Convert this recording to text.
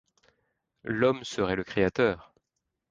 L’homme serait le créateur !